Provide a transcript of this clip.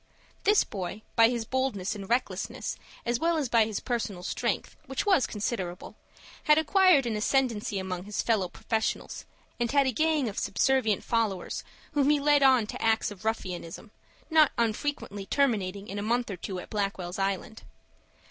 This boy, by his boldness and recklessness, as well as by his personal strength, which was considerable, had acquired an ascendancy among his fellow professionals, and had a gang of subservient followers, whom he led on to acts of ruffianism, not unfrequently terminating in a month or two at Blackwell's Island.